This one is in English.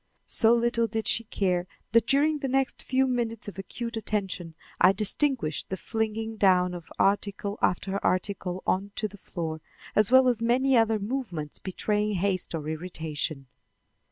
So little did she care that during the next few minutes of acute attention I distinguished the flinging down of article after article on to the floor, as well as many other movements betraying haste or irritation.